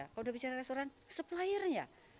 kalau udah bicara restoran supplier nya